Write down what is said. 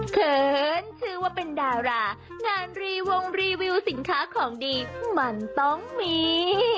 เขินชื่อว่าเป็นดารางานรีวงรีวิวสินค้าของดีมันต้องมี